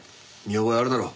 見覚えあるだろ？